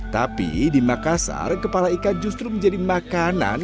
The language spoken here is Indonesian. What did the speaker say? tapi di makassar kepala ikan justru menjadi makanan